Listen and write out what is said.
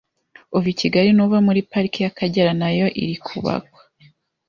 uva i Kigali n’uva muri Pariki y’Akagera na yo iri kubakwa